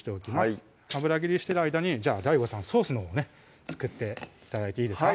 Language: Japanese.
はい油切りしてる間にじゃあＤＡＩＧＯさんソースのほうね作って頂いていいですか？